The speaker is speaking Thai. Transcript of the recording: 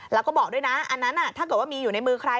แล้วก็บอกด้วยนะอันนั้นถ้าเกิดว่ามีอยู่ในมือใคร